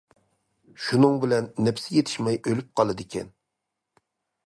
شۇنىڭ بىلەن نەپسى يېتىشمەي ئۆلۈپ قالىدىكەن.